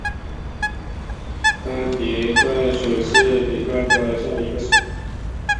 斑皮蠹属是皮蠹科下的一个属。